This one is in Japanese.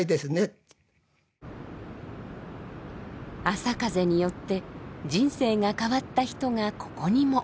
あさかぜによって人生が変わった人がここにも。